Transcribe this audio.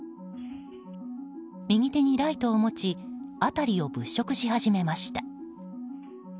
右手にライトを持ち辺りを物色し始めました。